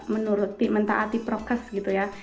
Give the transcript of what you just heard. menurut mentaati prokes gitu ya